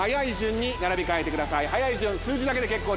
早い順数字だけで結構です。